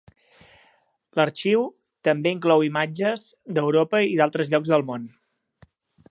L'arxiu també inclou imatges d'Europa i d'altres llocs del món.